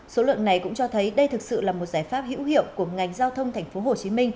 số lượng này cũng cho thấy đây thực sự là một giải pháp hữu hiệu của ngành giao thông tp hcm